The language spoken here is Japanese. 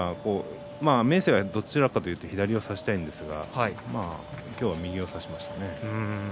明生はどちらかというと左を差したいんですが今日は右を差しましたね。